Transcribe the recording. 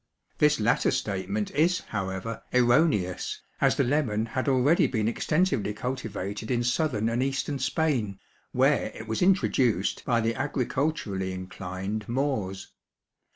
This latter statement is, however, erroneous as the lemon had already been extensively cultivated in southern and eastern Spain, where it was introduced by the agriculturally inclined Moors.